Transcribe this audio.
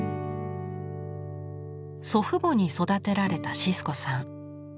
祖父母に育てられたシスコさん。